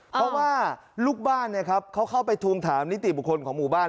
เพราะว่าลูกบ้านเขาเข้าไปทวงถามนิติบุคคลของหมู่บ้าน